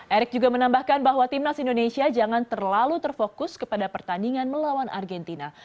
erick juga menambahkan bahwa timnas indonesia jangan terlalu terfokus kepada pertandingan melawan argentina